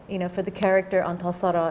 untuk karakter ontosoro